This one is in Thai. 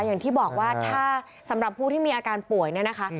อย่างที่บอกว่าถ้าสำหรับผู้ที่มีอาการป่วยเนี่ยนะคะ